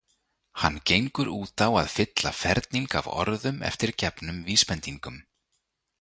Hann gengur út á að fylla ferning af orðum eftir gefnum vísbendingum.